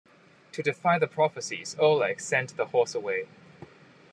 To defy the prophecies, Oleg sent the horse away.